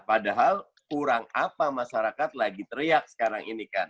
padahal kurang apa masyarakat lagi teriak sekarang ini kan